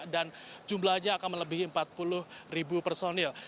dan jumlahnya akan melebihi empat puluh personil